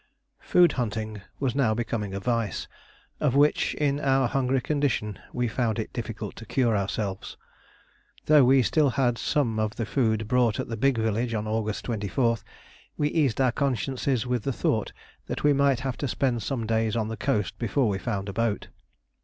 Food hunting was now becoming a vice, of which, in our hungry condition, we found it difficult to cure ourselves. Though we had still some of the food bought at the big village on August 24, we eased our consciences with the thought that we might have to spend some days on the coast before we found a boat.